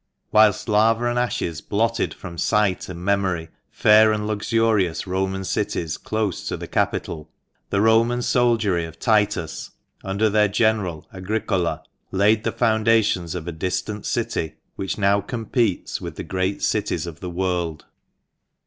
Whilst lava and ashes blotted from sight and memory fair and luxurious Roman cities close to the Capitol, the Roman soldiery of Titus, under their general Agricola, laid the foundations of a distant city which now competes with the great cities of the world.